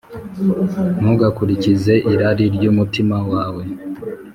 ntugakurikize irari ry’umutima wawe